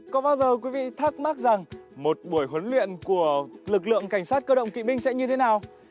còn bao giờ quý vị thắc mắc rằng một buổi huấn luyện của lực lượng cảnh sát cơ động kỵ binh sẽ như thế nào